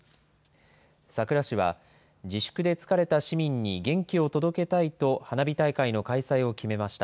佐倉市は、自粛で疲れた市民に元気を届けたいと花火大会の開催を決めました。